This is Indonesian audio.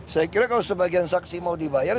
saya kira kalau sebagian saksi mau dibayar